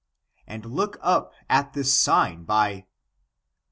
and look at this sign, by